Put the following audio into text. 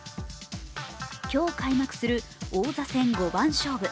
今日開幕する王座戦五番勝負。